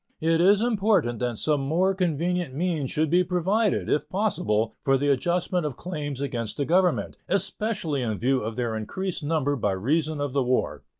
It is important that some more convenient means should be provided, if possible, for the adjustment of claims against the Government, especially in view of their increased number by reason of the war.